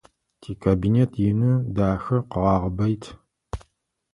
Тикабинет ины, дахэ, къэгъагъыбэ ит.